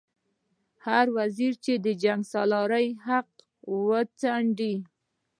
هر وزیر چې د جنګسالارانو حق وځنډوي.